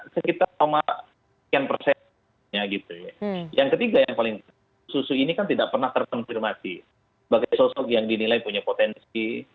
sebagai sosok yang dinilai punya potensi